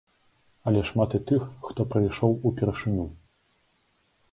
Але шмат і тых, хто прыйшоў упершыню.